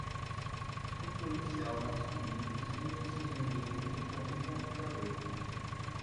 Um policial masculino senta-se em um veículo com um computador.